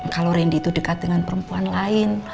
kalau randy itu dekat dengan perempuan lain